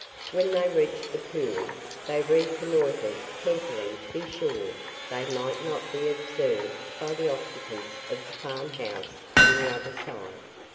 When they reached the pool, they reconnoitered carefully to be sure they might not be observed by the occupants of the farm house on the other side.